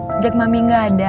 sejak mami gak ada